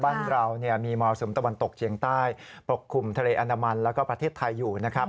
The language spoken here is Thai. บ้านเรามีมรสุมตะวันตกเฉียงใต้ปกคลุมทะเลอันดามันแล้วก็ประเทศไทยอยู่นะครับ